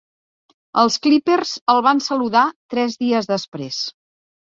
Els Clippers el van saludar tres dies després.